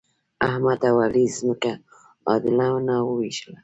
احمد او علي ځمکه عادلانه وویشله.